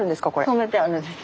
染めてあるんです。